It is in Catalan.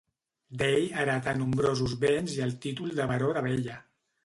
D'ell heretà nombrosos béns i el títol de baró d'Abella.